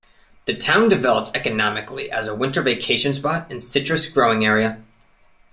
The town developed economically as a winter vacation spot and citrus growing area.